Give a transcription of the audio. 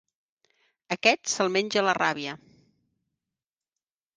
Aquest, se'l menja la ràbia.